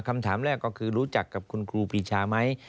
คำถามแรกก็คือรู้จักกับคุณครูปีชาไหม